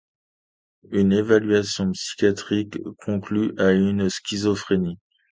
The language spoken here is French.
Une évaluation psychiatrique conclut à une schizophrénie.